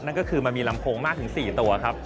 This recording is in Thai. นั่นก็คือมันมีลำโพงมากถึง๔ตัวครับ